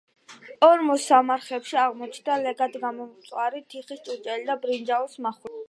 ორმოსამარხებში აღმოჩნდა ლეგად გამომწვარი თიხის ჭურჭელი და ბრინჯაოს მახვილები.